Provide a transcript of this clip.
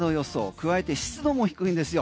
加えて湿度も低いんですよ。